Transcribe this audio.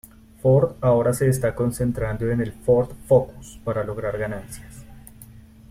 Ford ahora se está concentrando en el Ford Focus para lograr ganancias.